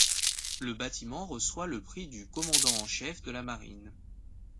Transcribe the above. Le bâtiment reçoit le prix du Commandant-en-chef de la Marine.